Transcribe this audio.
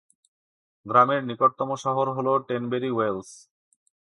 গ্রামের নিকটতম শহর হল টেনবেরি ওয়েলস।